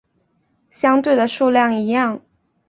相对的数量一样。